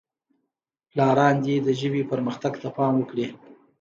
پلاران دې د ژبې پرمختګ ته پام وکړي.